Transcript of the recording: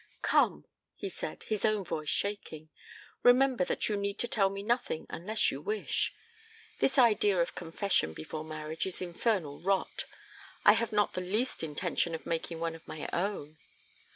"Come," he said, his own voice shaking. "Remember that you need tell me nothing unless you wish. This idea of confession before marriage is infernal rot. I have not the least intention of making one of my own."